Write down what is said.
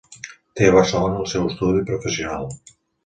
Té a Barcelona el seu estudi professional.